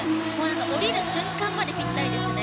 降りる瞬間までぴったりですね。